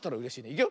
いくよ。